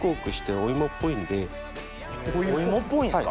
お芋っぽいんですか。